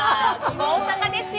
大阪ですよ。